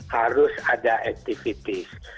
harus ada aktivitas